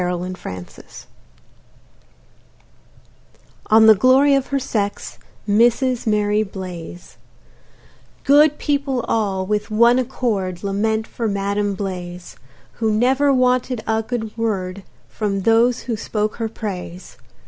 AN ELEGY On the Glory of her Sex, Mrs. Mary Blaize Good people all, with one accord, Lament for Madam Blaize, Who never wanted a good word From those who spoke her praise.